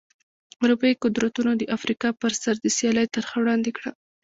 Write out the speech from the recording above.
اروپايي قدرتونو د افریقا پر سر د سیالۍ طرحه وړاندې کړه.